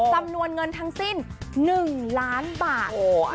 จำนวนเงินทั้งสิ้น๑ล้านบาท